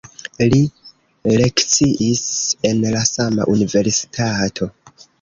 Li lekciis en la sama universitato.